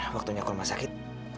waktunya kurma sakit